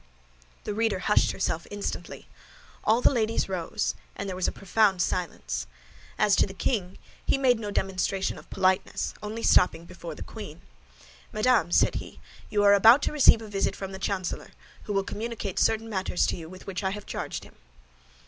The reader hushed herself instantly. All the ladies rose, and there was a profound silence. As to the king, he made no demonstration of politeness, only stopping before the queen. "Madame," said he, "you are about to receive a visit from the chancellor, who will communicate certain matters to you with which I have charged him."